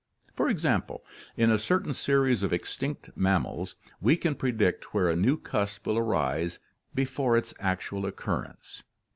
For example, in a certain series of extinct mammals we can predict where a new cusp will arise before its actual occurrence."